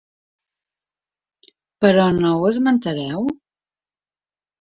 Però no ho esmentareu?